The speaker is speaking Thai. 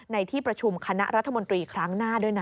ในที่ประชุมคณะรัฐมนตรีครั้งหน้าด้วยนะ